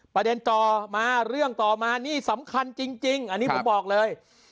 ประเด็นต่อมาเรื่องต่อมานี่สำคัญจริงอันนี้ผมบอกเลย